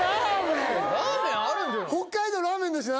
北海道ラーメンだしな